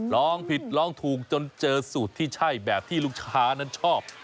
ร้องผิดร้องถูกจนเจอสูตรที่ใช่แบบที่ลูกค้านั้นชอบ